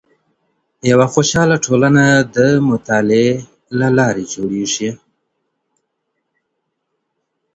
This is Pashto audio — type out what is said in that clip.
يوه خوشحاله ټولنه د مطالعې له لاري جوړېږي.